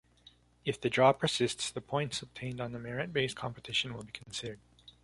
If the draw persists, the points obtained on the merit based competition will be considered.